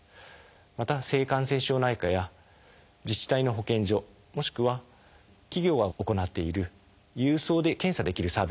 また性感染症内科や自治体の保健所もしくは企業が行っている郵送で検査できるサービスもあります。